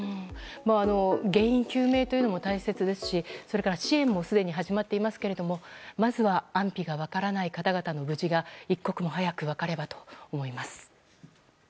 原因究明も大切ですしそれから支援もすでに始まっていますがまずは安否が分からない方々の無事が一刻も早く分かればと思います。